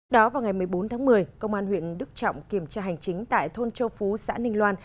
đó vào ngày một mươi bốn tháng một mươi công an huyện đức trọng kiểm tra hành chính tại thôn châu phú xã ninh loan